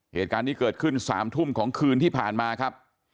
เหตุการณ์นี้เกิดขึ้น๓ทุ่มของคืนที่ผ่านมาครับ